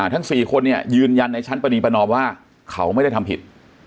ทั้ง๔คนเนี่ยยืนยันในชั้นประนีประนอมว่าเขาไม่ได้ทำผิด